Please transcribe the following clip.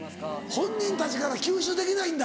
本人たちから吸収できないんだ。